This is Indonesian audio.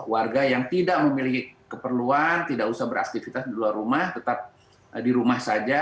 warga yang tidak memiliki keperluan tidak usah beraktivitas di luar rumah tetap di rumah saja